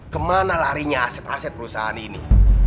kemana larinya aset aset perusahaan ini